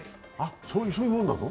そういうもんなの？